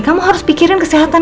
kamu harus pikirin ke siapapun